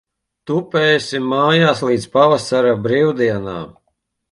Tupēsi mājās līdz pavasara brīvdienām.